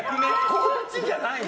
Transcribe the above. こっちじゃないの。